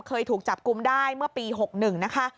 เคยถูกจับกลุ่มได้เมื่อปี๖๑นะคะ